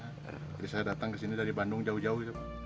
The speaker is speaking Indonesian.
saya datang ke sini dari bandung jauh jauh